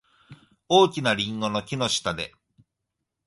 大きなリンゴの木の下で。